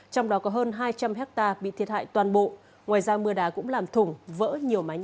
trong đó có hơn hai trăm linh hectare bị thiệt hại toàn bộ ngoài ra mưa đá cũng làm thủng vỡ nhiều mái nhà